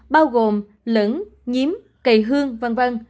bao gồm lửng nhiếm cây hương v v